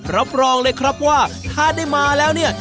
รับรองเลยครับว่าถ้าได้มาแล้วเนี่ย